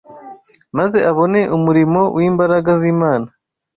maze abone umurimo w’imbaraga z’Imana